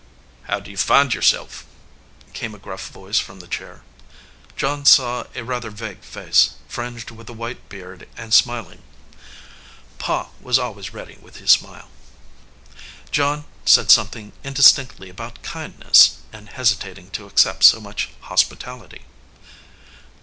"How do you find yourself?" came a gruff voice from the chair. John saw a rather vague face, fringed with a white beard and smiling. Pa was always ready with his smile. John said something indistinctly about kindness and hesitating to accept so much hospitality.